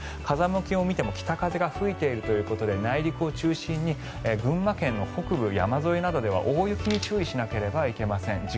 風向きを見ても北風が吹いているということで内陸を中心に群馬県の北部、山沿いでは大雪に注意しなければいけません。